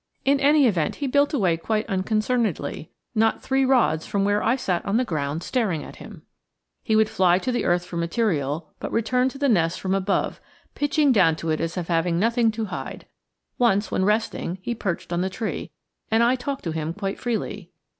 In any event, he built away quite unconcernedly not three rods from where I sat on the ground staring at him. He would fly to the earth for material, but return to the nest from above, pitching down to it as if having nothing to hide. Once, when resting, he perched on the tree, and I talked to him quite freely.